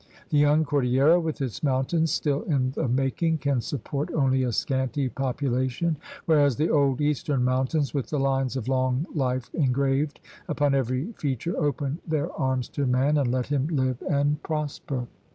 The young Cordillera with its mountains still in the mak ing can support only a scanty population, whereas the old eastern mountains, with the lines of long life engraved upon every feature, open their arms to man and let him live and prosper.